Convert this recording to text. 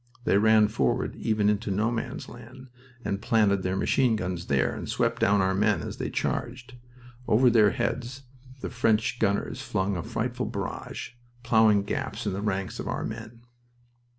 They ran forward even into No Man's Land, and planted their machine guns there, and swept down our men as they charged. Over their heads the German gunners flung a frightful barrage, plowing gaps in the ranks of our men.